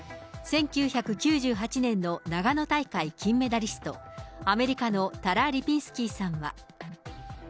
１９９８年の長野大会金メダリスト、アメリカのタラ・リピンスキーさんは。